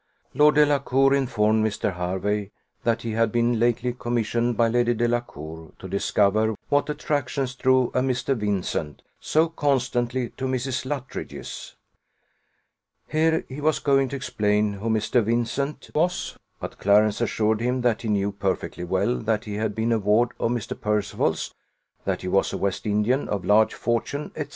Lord Delacour informed Mr. Hervey, "that he had been lately commissioned, by Lady Delacour, to discover what attractions drew a Mr. Vincent so constantly to Mrs. Luttridge's " Here he was going to explain who Mr. Vincent was; but Clarence assured him that he knew perfectly well that he had been a ward of Mr. Percival's, that he was a West Indian of large fortune, &c.